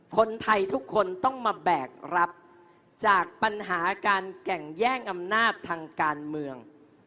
คนไทยทุกคนต้องมาแบกรับจากปัญหาการแก่งแย่งอำนาจทางการเมือง